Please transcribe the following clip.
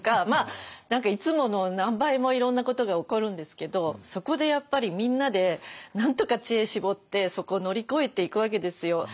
まあ何かいつもの何倍もいろんなことが起こるんですけどそこでやっぱりみんなでなんとか知恵絞ってそこ乗り越えていくわけですよ。